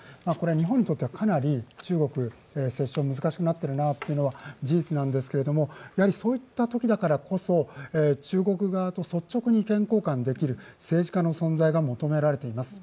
日本にとってはかなり折衝が難しくなっているなというのが事実なんですけれども、そういった時だからこそ、中国側と率直に意見交換できる政治家の存在が求められています。